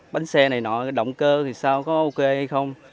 bánh xe này nọ động cơ thì sao có ok hay không